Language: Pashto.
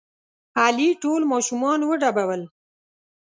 علي ټول ماشومان وډبول.